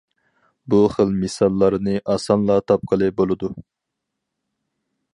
بۇ خىل مىساللارنى ئاسانلا تاپقىلى بولىدۇ.